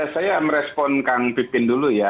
saya merespon kang pipin dulu ya